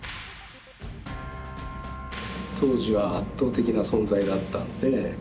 当時は圧倒的な存在だったんで。